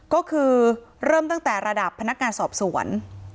ก็คือเริ่มตั้งแต่ระดับพนักงานสอบสวน